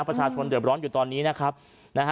ประชาชนเดือดร้อนอยู่ตอนนี้นะครับนะฮะ